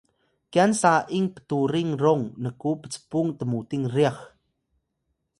kyan sa’ing pturing rong nku pcpung tmuting ryax